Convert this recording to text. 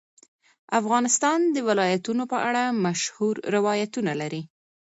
افغانستان د ولایتونو په اړه مشهور روایتونه لري.